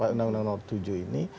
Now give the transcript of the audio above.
undang undang tahun dua ribu tujuh ini